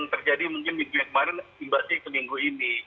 yang terjadi mungkin minggu yang kemarin imbasnya ke minggu ini